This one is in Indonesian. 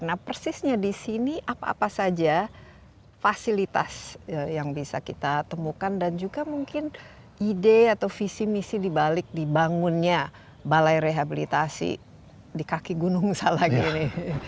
nah persisnya di sini apa apa saja fasilitas yang bisa kita temukan dan juga mungkin ide atau visi misi dibalik dibangunnya balai rehabilitasi di kaki gunung salang ini